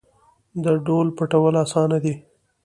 د ډهل پټول اسانه دي .